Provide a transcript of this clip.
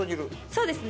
そうですね。